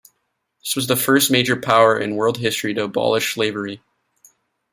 This was the first major power in world history to abolish slavery.